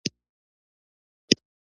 د ده خپل هیواد ډېر کمزوری وو.